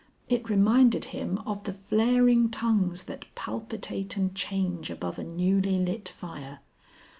It reminded him of the flaring tongues that palpitate and change above a newly lit fire.